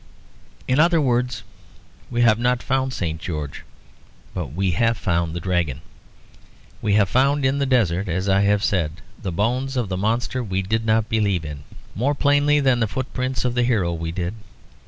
In other words, we have not found St. George; but we have found the Dragon. We have found in the desert, as I have said, the bones of the monster we did not believe in, more plainly than the footprints of the hero we did.